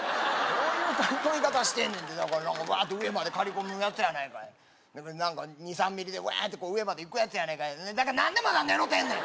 どういう刈り込み方してんねんって上まで刈り込むやつやないか何か２３ミリでワーッて上までいくやつやないかいだから何でまだ狙うてんねん！